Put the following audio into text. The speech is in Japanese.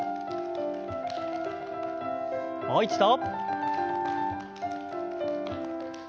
もう一度。